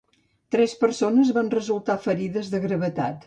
Tres persones van resultar ferides de gravetat.